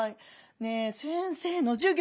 ねえ先生の授業